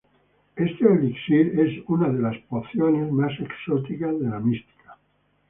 Este elixir, una de las pociones más exóticas de la mística.